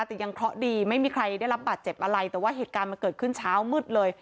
แต่ยังเคราะห์ดีไม่มีใครได้รับบาดเจ็บอะไรแต่ว่าเหตุการณ์มันเกิดขึ้นเช้ามืดเลย